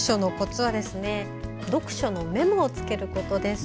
読書のメモをつけることです。